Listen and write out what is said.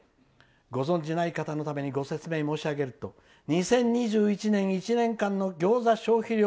ご存じない方のためにご説明申し上げると２０２１年１年間の餃子消費量